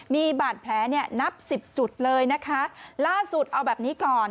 มีบาดแผลเนี่ยนับสิบจุดเลยนะคะล่าสุดเอาแบบนี้ก่อน